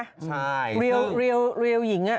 ใช่ริ้วหญิงน่ะ